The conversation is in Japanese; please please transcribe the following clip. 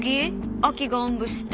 亜希がおんぶして。